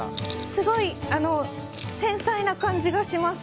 すごい、繊細な感じがします！